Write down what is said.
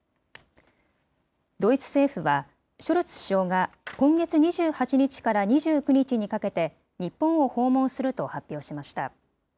ドイツ政府は、ショルツ首相が今月２８日から２９日にかけて、日本を訪問すると発表しました。